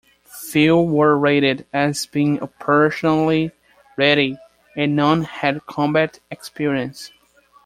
Few were rated as being 'operationally ready' and none had combat experience.